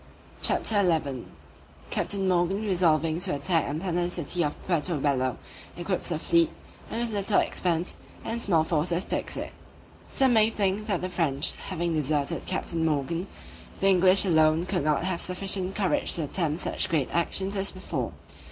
CHAPTER XI _Captain Morgan resolving to attack and plunder the city of Puerto Bello, equips a fleet, and with little expense and small forces takes it._ SOME may think that the French having deserted Captain Morgan, the English alone could not have sufficient courage to attempt such great actions as before.